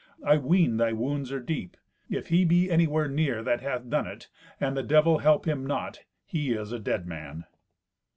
I ween thy wounds are deep. If he be anywhere near that hath done it, and the Devil help him not, he is a dead man."